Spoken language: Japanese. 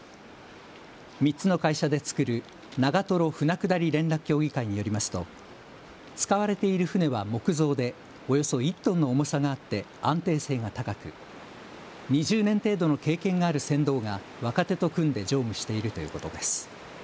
３つの会社で作る長瀞舟下り連絡協議会によりますと使われている舟は木造でおよそ１トンの重さがあって安定性が高く２０年程度の経験がある船頭が若手と組んで乗務しているということです。